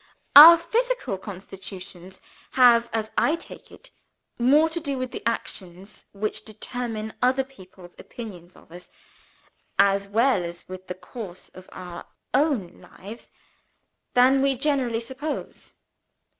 Our physical constitutions have, as I take it, more to do with the actions which determine other people's opinions of us (as well as with the course of our own lives) than we generally suppose.